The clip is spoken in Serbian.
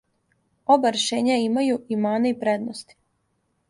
Оба решења имају и мане и предности.